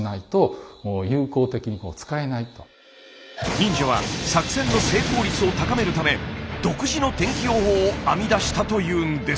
忍者は作戦の成功率を高めるため独自の天気予報を編み出したというんです。